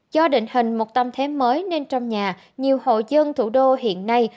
do định hình một tâm thế mới nên trong nhà nhiều hộ dân thủ đô hiện nay